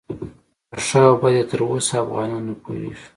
په ښه او بد یې تر اوسه افغانان نه پوهیږي.